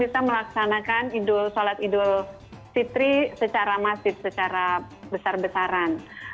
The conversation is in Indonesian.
tapi kita belum bisa melaksanakan sholat idul fitri secara masjid secara besar besaran